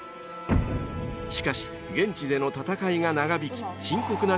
［しかし現地での戦いが長引き深刻な］